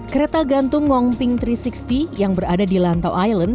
kereta gantung wong ping tiga ratus enam puluh yang berada di lantai island